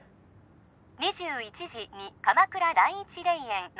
２１時に鎌倉第一霊園の